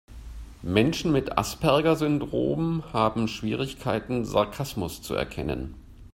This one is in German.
Menschen mit Asperger-Syndrom haben Schwierigkeiten, Sarkasmus zu erkennen.